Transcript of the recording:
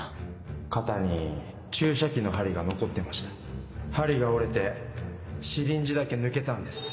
肩に注射器の針が残ってました針が折れてシリンジだけ抜けたんです